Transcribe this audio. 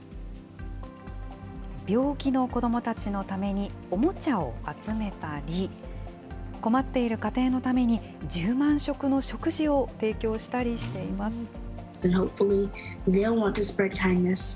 病気の子どもたちのためにおもちゃを集めたり、困っている家庭のために１０万食の食事を提供したりしています。